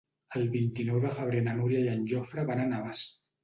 El vint-i-nou de febrer na Núria i en Jofre van a Navàs.